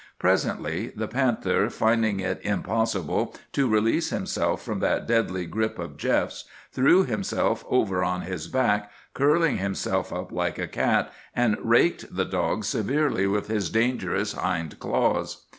Presently the panther, finding it impossible to release himself from that deadly grip of Jeff's, threw himself over on his back, curling himself up like a cat, and raked the dog severely with his dangerous hind claws.